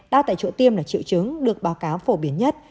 đau tại chỗ tiêm là triệu chứng được báo cáo phổ biến nhất